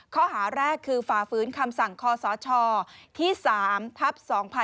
ข้อหาแรกคือฝาฝืนคำสั่งข้อสชที่๓ทับ๒๕๕๘